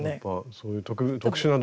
そういう特殊な道具と。